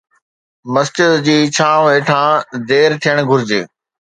مسجد جي ڇانوَ هيٺان ڍير ٿيڻ گهرجي